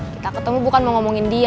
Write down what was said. kita ketemu bukan mau ngomongin dia